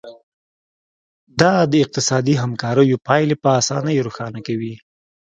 دا د اقتصادي همکاریو پایلې په اسانۍ روښانه کوي